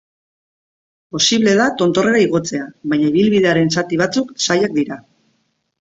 Posible da tontorrera igotzea baina ibilbidearen zati batzuk zailak dira.